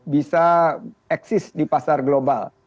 bisa eksis di pasar global